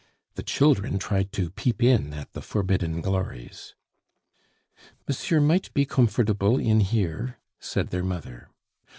The children tried to peep in at the forbidden glories. "Monsieur might be comfortable in here," said their mother.